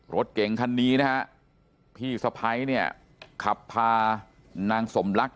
รถเก่งคันนี้นะฮะพี่สะพ้ายเนี่ยขับพานางสมลักษณ